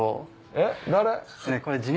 えっ誰？